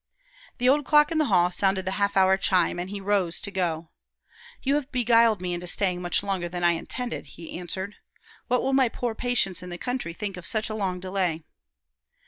The old clock in the hall sounded the half hour chime, and he rose to go. "You have beguiled me into staying much longer than I intended," he answered. "What will my poor patients in the country think of such a long delay?"